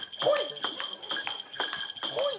ほい。